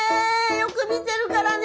よく見てるからね。